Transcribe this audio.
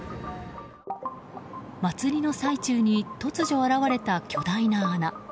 祭りの最中に突如現れた巨大な穴。